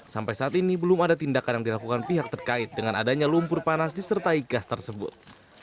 sampai saat ini belum ada tindakan yang dilakukan pihak terkait dengan adanya lumpur panas disertai gas tersebut